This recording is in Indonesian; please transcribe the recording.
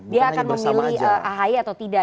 dia akan memilih ahy atau tidak